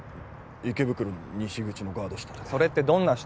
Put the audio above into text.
池袋の西口のガード下でそれってどんな人？